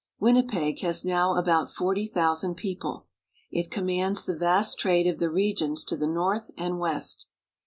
Winnipeg has now about forty thousand people. It commands the vast trade of the regions to the north and west.